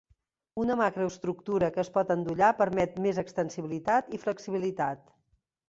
Una macroestructura que es pot endollar permet més extensibilitat i flexibilitat.